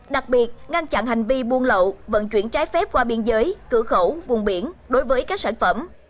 đặc biệt ngăn chặn hành vi buôn lậu vận chuyển trái phép qua biên giới cửa khẩu vùng biển đối với các sản phẩm